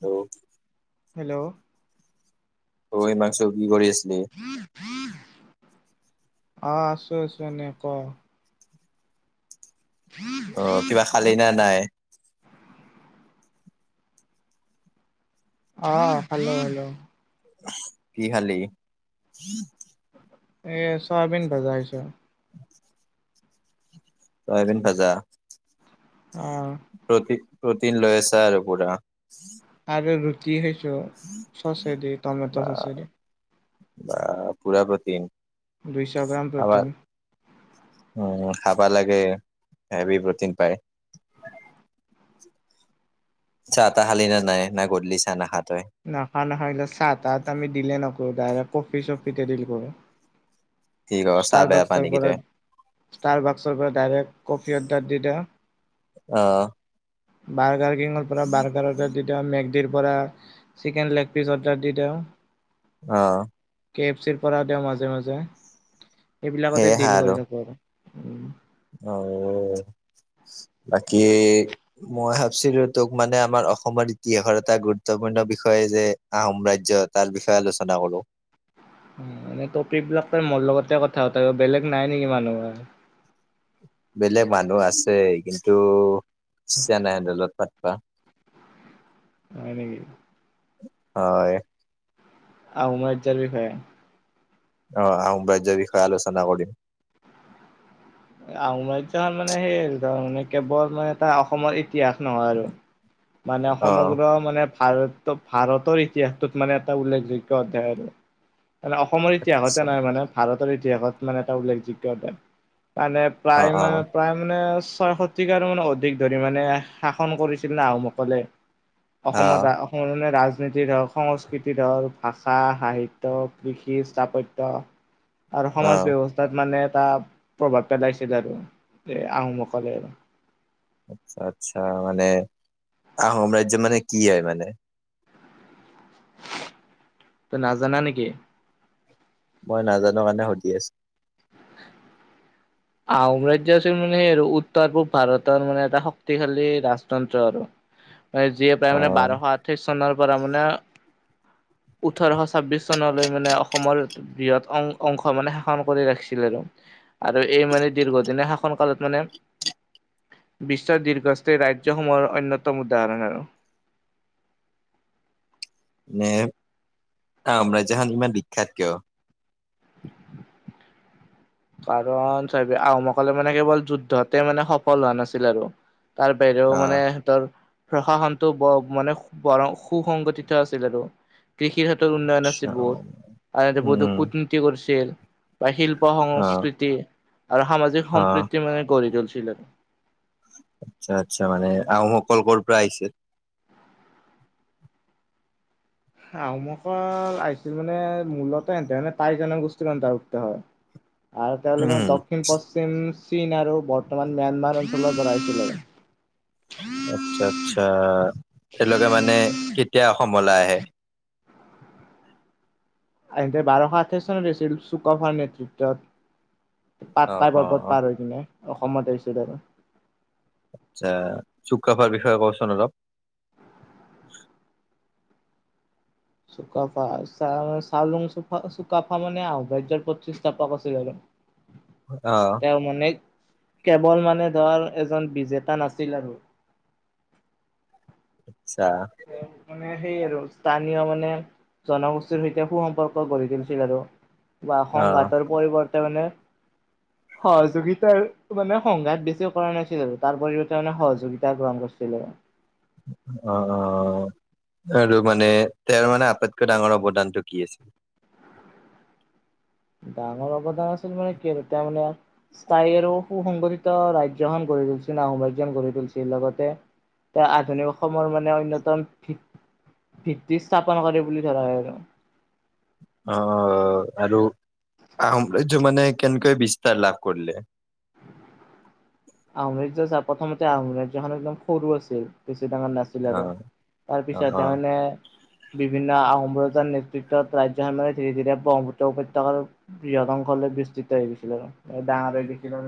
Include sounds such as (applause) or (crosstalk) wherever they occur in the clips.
Hello! Hello! ঐ হিমাংশু কি কৰি আছিলি? আঁহ আছো আছো এনে, ক। অ কিবা খালি না নাই? অঁ খালো খালো। কি খালি? এ চয়াবিন ভাজা খাইছোঁ। (inaudible) চয়াবিন ভাজা? অহ', প্ৰটিন লৈ আছা আৰু পুৰা? আৰু ৰুটি খাইছোঁ, চছে দি টমেট বা চছেদি। বা পুৰা প্ৰটিন? দুইচ গ্ৰাম খাবা প্ৰটিন। উম, খাবা লাগে, হেভি প্ৰটিন পায়। চাহ টা খালি নে নাই না গধলি চাহ নাখা? তই? নাখাওঁ -নাখাওঁ এইগিলা চাহ তাহত আমি ডিলে নকৰোঁ। ডাইৰেক্ট কফি -চফিতে দিল কৰোঁ। কি ক চাহ ষ্টাৰ বেয়া পা বক্সৰ নেকি পৰা তই? -ষ্টাৰ বক্সৰ পৰা ডাইৰেক্ট কফি অৰ্ডাৰ দি দেও অহ বাৰ্গাৰ কিঙৰ পৰা বাৰ্গাৰ অৰ্ডাৰ দি দেও মেক দিৰ পৰা চিকেন লেগ পিচ অৰ্ডাৰ দি দেও অহ কে এফ চিৰ পৰা দেওঁ মাজে - মাজে। এইবিলাকতে ডিল কৰি থাকো আৰু উম। অহ -ঔ বাকী এ' মই ভাবছিলো তোক মানে আমাৰ অসমৰ ইতিহাসৰ এটা গুৰুত্বপূৰ্ণ পূৰ্ণ বিষয়ে যে আহোম ৰাজ্যৰ তাৰ বিষয়ে আলোচনা কৰোঁ। মানে টপিক বিলাক তাৰ মোৰ লগতে কথা তয় বেলেগ নাই নেকি মানুহ আৰ বেলেগ মানুহ আছে কিন্তু ইচ্ছা নাই (unintelligible) কোৱা? হয় নকি? হয়। আহোম ৰাজ্যৰ বিষয়ে অহ, আহোম ৰাজ্যৰ বিষয়ে আলোচনা কৰিম। আহোম ৰাজ্যখন মানে সেই ধৰ কেৱল মানে তাৰ অসমৰ ইতিহাস নহয় আৰু। মানে অ সমগ্ৰ মানে ভাৰত- ভাৰতৰ ইতিহাসটোত মানে এটা উল্লেখযোগ্য অধ্যায় আৰু। মানে অসমৰ ইতিহাসতে নাই মানে ভাৰতৰ ইতিহাসত মানে এটা উল্লেখযোগ্য মানে অ প্ৰায় অ মানে প্ৰায় মানে ছয় শতিকাৰ মান অধিক ধৰি মানে শাসন কৰিছিল না আহোমসকলে অসমৰ -অসমৰ মানে ৰাজ ৰাজনীতিৰ হক সংস্কৃতিত হক ভাষা, সাহিত্য, কৃষি - স্থাপত্য আৰু অ অ সমাজ ব্যৱস্থাত মানে এটা প্ৰভাৱ পেলাইছিল আৰু যে আহোমসকলে আৰু। আচছা -আচ্ছা মানে আহোম ৰাজ্য মানে কি হয় মানে? তই নাজানা নেকি? মই নাজানো কাৰণে সুধি আছো। আহম্ৰাজ্য আছিল মানে আৰু উত্তৰ পূব ভাৰতৰ মানে এটা শক্তিশালী ৰাজতন্ত্ৰ আৰু (inaudible) যিয়ে প্ৰায় অ মানে বাৰশ আঠাইছ চনৰ পৰা মানে (inaudible) ওঠৰশ ছাব্বিচ চনলৈ মানে অসমৰ বৃহৎ অংশ মানে শাসন কৰি ৰাখিছিল আৰু। আৰু এই মানে দীৰ্ঘদেনীয়া শাসন কালত মানে বিশ্বৰ দীৰ্ঘস্থায়ী ৰাজ্যসমূহৰ অন্যতম উদাহৰণ আৰু। (inaudible) নে আহোম ৰাজ্য খন ইমান বিখ্যাত কিয়? কাৰণ চাবি আহোমসকলে মানে কেৱল যুদ্ধতে মানে সফল হোৱা নাছিল আৰু তাৰ বাহিৰেও মানে সিহঁতৰ প্ৰশাসনটো বৰ মানে বৰ সুসংগঠিত আছিল আৰু। কৃষিৰ হাতত উন্নয়ন আছিল আচ্ছা বহুত আনহাতে উম বহুতো উম কূটনীতি কৰিছিল বা শিল্প উপসং অ অ, মানে গঢ়ি তুলিছিল আৰু আচ্ছা-আচ্ছা মানে আও ক'ৰ-ক'ৰ পৰা আহিছে? আহোমসকল আহিছিল মানে মূলতে এনতে টাই জনগোষ্ঠীৰ অন্তৰ্ভুক্ত হয়। আৰু তেওঁলোকে উম মানে দক্ষিণ-পশ্চিম চীন আৰু বৰ্তমান ম্যানমাৰ অঞ্চলৰ পৰা আহিছিলে। আচ্ছা আচ্ছা তেওঁলোকে মানে কেতিয়া অসম লৈ আহে? আনহাতে বাৰশ আঠাইছ চনত হৈছিল চুকাফাৰ নেতৃত্বত অ পাটকাই অ অ পৰ্বত পাৰ হৈ কিনে অসমত আহিছিল আৰু আচ্ছা, চুকাফাৰ বিষয়ে কও চোন অলপ চুকাফা চা চাওলুং চুফাপা চুকাফা মানে আহোম ৰাজ্যৰ প্ৰতিষ্ঠাপক আছিল আৰু আহ তেওঁ মানে কেৱল মানে ধৰ এজন বিজেতা নাছিল আৰু আচ্ছা তেওঁক মানে সেই আৰু (unintelligible) সেয়া মানে জনগোষ্ঠীৰ সৈতে সু-সম্পৰ্ক গঢ়ি তুলিছিল আৰু বা আহ সংঘাতৰ পৰিৱৰ্তনে সহযোগিতাৰ মানে সংঘাত বেছি কৰা নাছিল আৰু তাৰ পৰিবৰ্তে মানে সহযোগিতা গ্ৰহণ কৰিছিল। আছিলে। অ'-অ' আৰু মানে তেওঁৰ মানে আটাইতকৈ ডাঙৰ অৱদানটো কি আছিল? ডাঙৰ অৱদাৰ আছে মানে কি আৰু তাৰমানে স্থায়ী আৰু সু সংগঠিত ৰাজ্যখন গঢ়ি তুলিছে আহোম ৰাজ্যখন গঢ়ি তুলি আছিল লগতে এহ আধুনিক অসমৰ মানে অন্যতম ভিত্তি স্থাপন কৰে বুলি ধৰা হয় আৰু অ' আৰু আহোম ৰাজ্য মানে কেনেকৈ বিস্তাৰ লাভ কৰিলে? আহোম ৰাজ্য চা প্ৰথমতে আহোম ৰাজ্যখন একদম সৰু আছিল। বেছি ডাঙৰ নাছিল অ আৰু অ অ তাৰপিছত মানে বিভিন্ন আহোম ৰজাৰ নেতৃত্বত ৰাজ্যখন‌ৰ ধীৰে ধীৰে ব্ৰহ্মপুত্ৰ উপত্যকাৰ বৃহৎ অংশলৈ বিস্তৃত হৈ গৈছিল, ডাঙৰ হৈ গৈছিল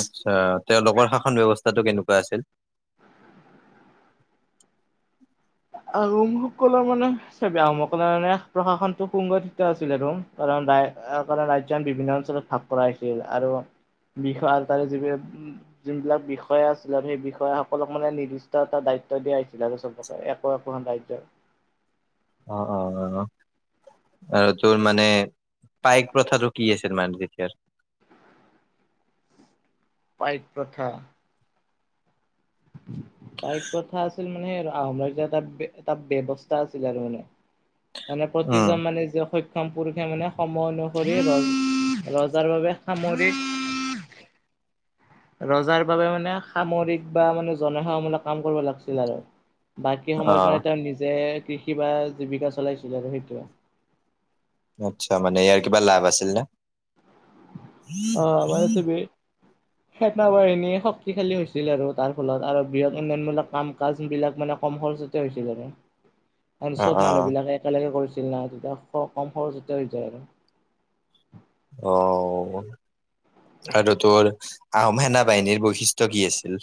আচ্ছা তেওঁ লোকৰ শাসন ব্যৱস্থাটো কেনেকুৱা আছিল? আহোমসকলৰ মানে চাবি আহোমসকলৰ মানে প্ৰশাসনটো সুগঠিত আছিল আৰু কাৰণ ৰা কাৰণ ৰাজ্যখন বিভিন্ন অঞ্চলত ভাগ কৰা হৈছিল আৰু বিষয় আৰু তাৰে যিবিলাক যোনবিলাক বিষয়া আছিলে সেই বিষয়াসকলক মানে নিৰ্দিষ্ট এটা দায়িত্ব দায়িত্ব দিয়া হৈছিল আৰু চবকে একো একোখন ৰাজ্যৰ অ'-অ'-অ' আৰু তোৰ মানে পাইক প্ৰথাটো কি আছিল মানে তেতিয়াৰ (inaudible) পাইক প্ৰথা (inaudible) পাইক প্ৰথা আছিল মানে আৰু আহোম ৰাজ্যৰ এটা এটা ব্যৱস্থা আছিল আৰু মানে মানে উম প্ৰতিজন মানে যে স সক্ষম পুৰুষে মানে সময় অনুসৰি ৰ ৰজাৰ বাবে সামৰিক (inaudible) ৰজাৰ বাবে মানে সামৰিক বা মানে জনসেৱামূলক কাম কৰিব লাগিছিল আৰু বাকী অ সময়ৰ কাৰণে তেওঁ নিজে কৃষি বা জীৱিকা চলাইছিল আৰু সেইটোৱে। আচ্ছা মানে ইয়াৰ কিবা লাভ আছিল নে? (inaudible) সেনাবাহিনী শক্তিশালী হৈছিল আৰু তাৰ ফলত আৰু বৃহৎ উন্নয়নমূলক কাম কাজ বিলাক মানে কম খৰচ খৰচতে হৈছিল‌ আৰু (inaudible) এ চব অ মানুহ বিিলাকে একেলগে কৰিছিল না তেতিয়া কম খৰচতে হৈ যায় আৰু আহ আৰু তোৰ আহোম সেনা বাহিনীৰ বৈশিষ্ট্য কি আছিল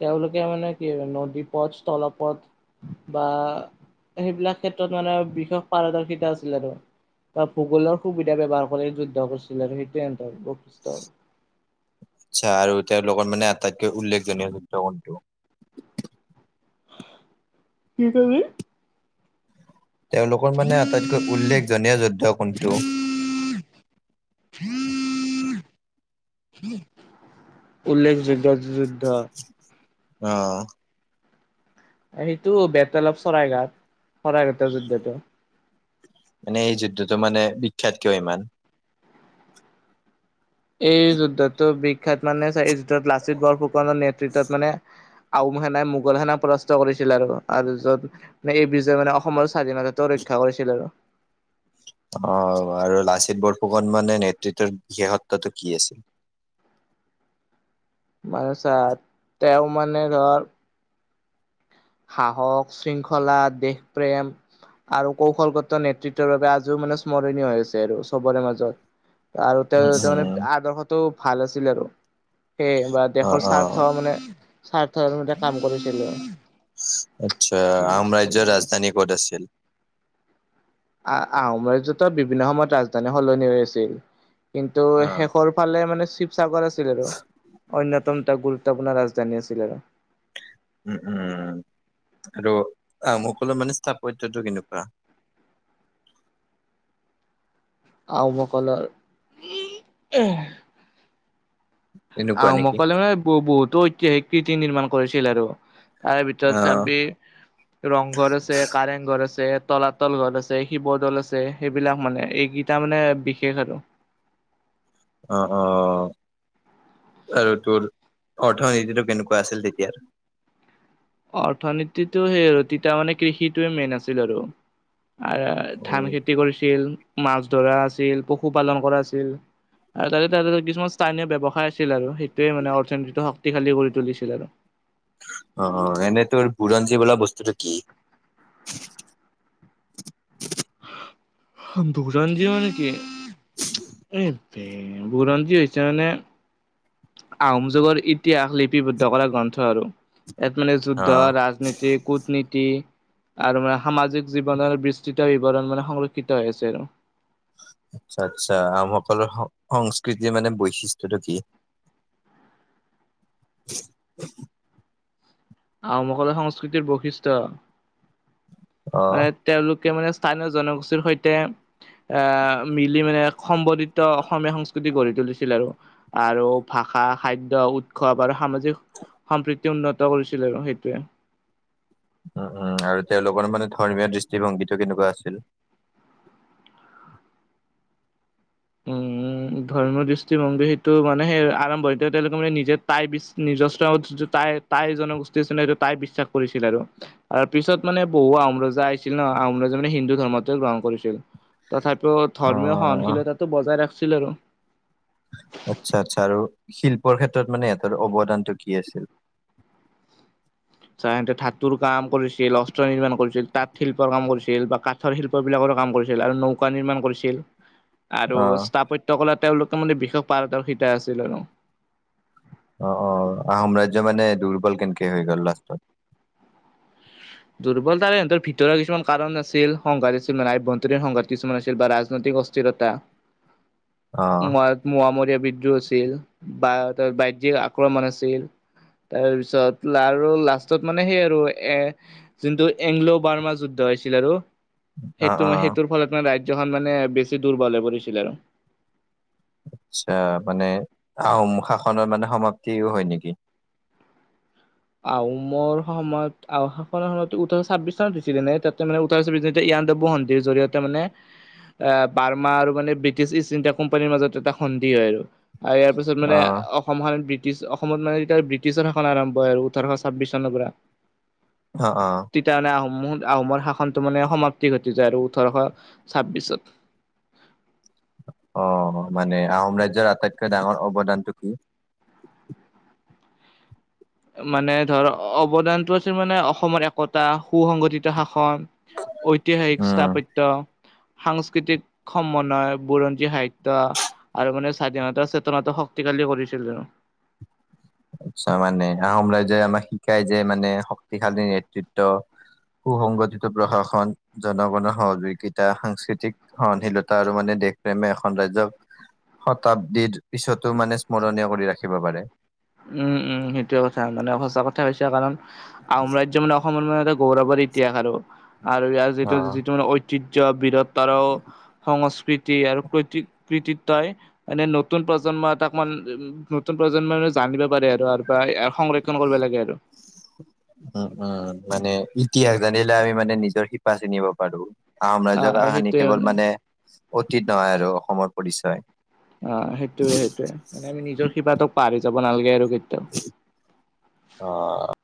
তেওঁলোকে মানে কি নদী পথ তলপথ বা সেইবিলাক ক্ষেত্ৰত মানে বিশেষ পাৰদৰ্শিতা আছিল আৰু বা ভূগোলৰ সুবিধা ব্যৱহাৰ কৰি যুদ্ধ কৰিছিল আৰু সেইটোোৱেতৰ বৈশিষ্ট আৰু আচ্ছা আৰু তেওঁৰ লগত মানে আটাইতকৈ উল্লেখজনীয় যুক্তগণটো কি কাবি। তেওঁলোকৰ মানে আটাইতকৈ উল্লেখজনীয় যুদ্ধ কোনটো। হম উল্লেখযুদ্ধ যুদ্ধ অ। সেইটো বেতলপ চৰাইঘাট চৰাইঘাটৰ যুদ্ধতটো। মানে এই যুদ্ধতটো মানে বিখ্যাত কিয় ইমান এই যুদ্ধতটো বিখ্যাত মানে এই যুদ্ধত লাচিত বৰফুকনৰ নেতৃত্বত মানে আহউম সেনাই মোগল সেনা পৰাস্ত কৰিছিল আৰুত এই বিজয়ে মানে অসমৰ। স্বাধীনতা তো ৰক্ষা কৰিছিল আৰু আহ আৰু লাচিত বৰফুকনমানানে নেতৃত্বৰ বিশেষত্বটো কি আছিল। (inaudible) মানে চা তেওঁ মানে ধৰ সাহস শৃংখলা দেশপ্ৰেম। আৰু কৌশলগত নেতৃত্বৰ বাবে আজিও মানে স্মৰণীয় আ হৈছে আৰু চবৰে মাজত। আৰু উম তেওঁ উম তাৰমানানে আদৰ্শতো ভাল আৰু সে বা অহ দেশৰ অহ স্বাৰ্থ মানে স্বাৰ্থ মে কাম কৰিছিলো আচ্ছা আহম ৰাজ্যৰ ৰাজধানী ক'ত আছিল। আহ আহোমজতৰ বিভিন্ন সময়ত ৰাজধানী সলনি হৈ আছিল। কিন্তু অহ শেষৰ ফালে মানে শিৱসাগৰ আছিল আৰু অন্যতম। এটা গুৰুত্বপূৰ্ণ ৰাজধানী আছিল আৰু উম উম। আৰু আহমকলৰ মানে স্থাপত্যটো কেনেকুৱা (inaudible) আমকলৰ এনেকুৱা নেকি? আহোমকলে মানে বহুতো ঐতিহাসিক কৃতি নিৰ্মাণ কৰিছিল আৰু তাৰে ভিতৰত অহ চাবি ৰংঘৰ আছে কাৰেং ঘৰ আছে তলাতল ঘল আছে শিৱদল আছে সেইবিলাক মানে এইকেইটা মানে বিশেষ আৰু আহ আহ আৰু তোৰ অৰ্থনীতিটো কেনেকুৱা আছিল তেতিয়া অৰ্থনীতিটো সেই আৰু তিতয়া মানে কৃষিটোয়ে মেইন আছিল আৰু আৰু ধান খেতি কৰিছিল মাছ ধৰা আছিল পশুপালন কৰা আছিল আৰু তাৰে ত কিছুমান স্থানীয় ব্যয়ৱসায় আছিল আছিল আৰু সেইটোৱে মানে অৰ্থনীতিত শক্তিশালী কৰি তুলিছিল আৰু অ এনে তোৰ বুৰঞ্জী বলা বস্তুটো কি ন্দুৰঞজীৱন কে এই তে গুৰাঞধিৈছোন আহোম যুগৰ ইতিহাস লিপিবদ্ধ কৰা গ্ৰন্থ আৰু ইয়াত মানে অ যুদ্ধ ৰাজনীতি কূটনীতি আৰু মানে সামাজিক জীৱনৰ বিস্তৃত বিৱৰণ মানে সংৰক্ষিত হৈ আছে আৰু আচ্ছা আচ্ছা আমসকলৰ সংস্কৃতিৰ মানে বৈশিষ্টয়টো কি। (inaudible) আহমকললা সংস্কৃতিৰ বৈশিষ্ট। অ হয় তেওঁলোক মানে স্থানীয় জনগোষ্ঠীৰ সৈতে এ মিলি মানে সম্বধিত অসমীয়া সংস্কৃতি গঢ়ি তুলিছিল আৰু আৰু ভাষা খাদ্য উৎসৱ আৰু সামাজিক সম্প্ৰীতি উন্নত কৰিছিল আৰু সেইটোৱে উ উ আৰু তেওঁলোকৰ মানে ধৰ্মীয় দৃষ্টিভংগীত কেনেকুৱা আছিল উম উম উ ধৰ্মৰ দৃষ্টিভংগী সেইটো মানে সেই আৰম্ভ তেওঁলোকে মানে নিজে তাইৰ নিজস্ব তাই তাই জনগোষ্ঠী আছিল এইটো তাই বিশ্বাস কৰিছিল আৰু পিছত মানে বহু আহোম ৰজা আহিছিল ন আমৰাজাননে হিন্দু ধৰ্মতে গ্ৰহণ কৰিছিল তথাপিও অ ধৰ্মীয় সহনশীলতাতো বজাই ৰাখিছিল আৰু আচ্ছা আচ্ছা আৰু শিল্পৰ ক্ষেত্ৰত মানে ইহঁতৰ অৱদানটো কি আছিল। (inaudible) চাহতে ধাতুৰ কাম কৰিছিল অস্ত্ৰ নিৰ্মাণ কৰিছিল তাঁত শিল্পৰ কাম কৰিছিল বা কাঠৰ শিল্প বিলাকৰ কাম কৰিছিল আৰু নৌকা নিৰ্মাণ কৰিছিল আৰু অ স্থাপত্য কলে তেওঁলোকে মানে বিশেষ পাৰদৰ্শিতা আছিল আৰু আহ আহ আহ সো্ৰাজ্য মানে দুৰ্বল কেনেকে হৈ গ'ল লাষ্টত। দুৰ্বলতাৰে সিহতৰ ভিতৰৰছু কাৰণ আছিল সংঘাত আছিল মানে আভ্য়ন্তৰীণ সংঘাত কিছুমান আছিল বা ৰাজনৈতিক অস্থিৰ টা (inaudible) (inaudible) মোৱামৰীয়া বিদ্ৰোহ আছিল বা বাহ্যিক আক্ৰমণ আছিল তাৰপিছত আৰু লাষ্টত মানে সেই আৰু এ যোনটো এংগলো বাৰ্মা যুদ্ধ হৈছিল আৰু অ সেইটো অ সেইটোৰ ফলত মানে ৰা য মানে বেছি দূৰ ব পৰিছিল আৰু আচ্ছা মানে আহোম শাসনৰ মানে সমাপ্তিও হয় নেকি? আহমৰ সময়ত আনৰ সময়ত ওঠৰশ ছাব্বিশ চনত দিছিলে নে তাতে মানে ওঠৰশ ছাব্বিছ। ভিৰ জৰিয়তে মানে। আহ বাৰ্মা আৰু মানে ব্ৰিটিছ ইষ্ট ইণ্ডিয়া কোম্পানীৰ মাজত এটা সন্ধি হয় আৰু আৰু ইয়াৰ পিছত অ মানে অসমখন ব্ৰিটিছ অসমত মানে এতিয়া ব্ৰিটিছৰ শাসন আৰম্ভ হয় আৰু ওঠৰশ ছাব্বিছ চনৰ পৰা অ অ তেতিয়া মানে আহোম আহোমৰ শাসনটো মানে সমাপ্তি ঘটি যায় আৰু ওঠৰশ ছাব্বিশত (inaudible) আহ মানে আহোম ৰাজ্্যৰ আটাইতকৈ ডাঙৰ অৱদানটো কি মানে ধৰ অৱদানতটো আছিল মানে অসমৰ একতা সু সংংগঠিত শাখা। ঐতিহাসিক উম স্থাপত্য। সাংস্কৃতিক সমনয় বুৰঞ্জী সাহিত্যয় আৰু মানে স্বাধীনতাৰ চেতনত শক্তি হালি। কৰিছিল জানো। (inaudible) আচ্ছা মানে আহোম ৰাইজে আমাক শিকাই যে মানে শক্তিশালী নেতৃত্ব। সু সংংগঠিত প্ৰশাসন জনগণৰ সহযোগিতা সাংস্কৃতিক সহনশীলতা আৰু মানে। দেশপ্ৰেমে এখন ৰাজ্ক শতাব্দীৰ পিছতো মানে স্মৰণীয় কৰি ৰাখিব পাৰে। উম উম সেইটোোৱে কথা মানে সঁচা কথা কৈছ কাৰণ আহম ৰাজ্য মানে অসমৰ মানে এটা। গৌৰৱৰ ইতিহাস আৰু আৰু ইয়াৰ যিটো অ' যিটো মানে ঐতিহ্যৰ বিৰ। তাৰাও সংস্। কৃতি আৰু ক কৃতিত তই মানে নতুন প্ৰজন্ম এ তাক মান উ নতুন প্ৰজন্মৰ। জানিব পাৰে আৰু আৰু বা সংৰক্ষণ কৰিব লাগে আৰু উম, উম, মানে ইতিহাস জানিলে আমি মানে নিজৰ শিপা চিনিব পাৰো। আহোম ৰাজৰ আহ কাহানি সেইটোয়ে কেৱল মানে অতীত নহয় আৰু অসমৰ পৰিচয়। অহ, সেইটোয়ে -সেইটোয়ে মানে আমি নিজৰ শিপা টোক পাহৰি যাব নালাগে আৰু কেতিয়াও। অহ